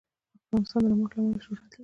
افغانستان د نمک له امله شهرت لري.